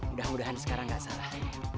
udah udahan sekarang gak salah